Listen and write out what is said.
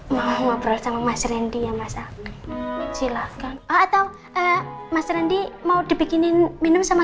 mau ngobrol sama mas rendi ya masa silakan atau eh mas rendi mau dibikinin minum sama